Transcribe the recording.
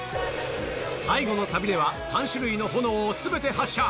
最後のサビでは、３種類の炎をすべて発射。